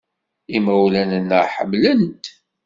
Imawlan-nneɣ ḥemmlen-t.